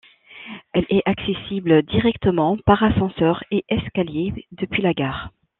Elle est accessible directement par ascenseur et escaliers depuis la gare.